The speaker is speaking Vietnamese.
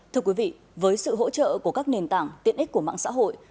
thưa quý vị với sự hỗ trợ của các nền tảng tiện ích của mạng xã hội